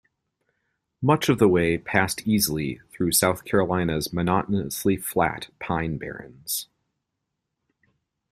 Much of the way passed easily through South Carolina's monotonously flat Pine Barrens.